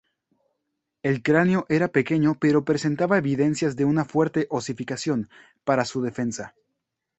El cráneo era pequeño pero presentaba evidencias de una fuerte osificación, para su defensa.